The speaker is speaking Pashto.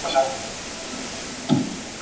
ولسمشر وارداتي تعرفه نه زیاتوي.